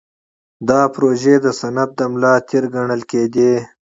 دا پروژې د صنعت د ملا تیر ګڼل کېدې.